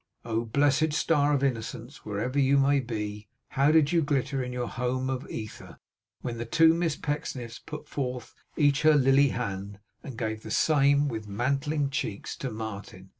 Oh blessed star of Innocence, wherever you may be, how did you glitter in your home of ether, when the two Miss Pecksniffs put forth each her lily hand, and gave the same, with mantling cheeks, to Martin!